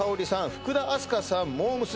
福田明日香さんモー娘。